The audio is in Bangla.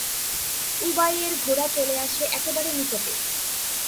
উবাইয়ের ঘোড়া চলে আসে একেবারে নিকটে।